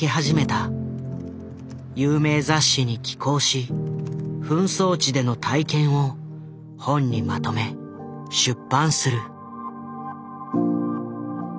有名雑誌に寄稿し紛争地での体験を本にまとめ出版する。